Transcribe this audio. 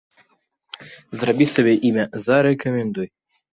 Зрабі сабе імя, зарэкамендуй!